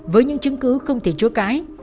với những chứng cứ không thể chua cãi